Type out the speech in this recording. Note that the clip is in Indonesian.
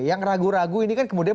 yang ragu ragu ini kan kemudian